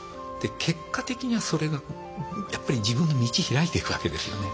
結果的にはそれがやっぱり自分の道開いていくわけですよね。